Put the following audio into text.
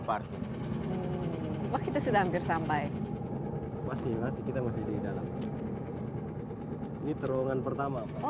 ya tidak boleh dibangun atau didirikan sesuating bisa merusak keindahan pemandangan